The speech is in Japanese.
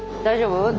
大丈夫？